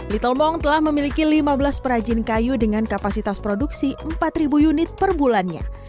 little mong telah memiliki lima belas perajin kayu dengan kapasitas produksi empat unit per bulannya